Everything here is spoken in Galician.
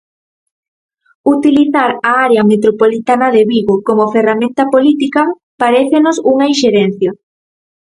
Utilizar a Área Metropolitana de Vigo como ferramenta política parécenos unha inxerencia.